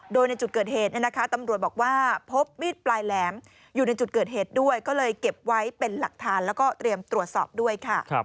โดยในจุดเกิดเหตุตำรวจบอกว่าพบมีดปลายแหลมอยู่ในจุดเกิดเหตุด้วยก็เลยเก็บไว้เป็นหลักฐานแล้วก็เตรียมตรวจสอบด้วยค่ะ